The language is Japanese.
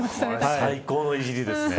最高のいじりですね。